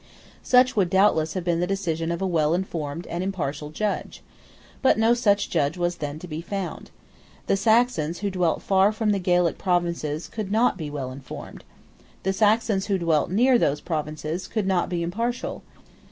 Such would doubtless have been the decision of a well informed and impartial judge. But no such judge was then to be found. The Saxons who dwelt far from the Gaelic provinces could not be well informed. The Saxons who dwelt near those provinces could not be impartial.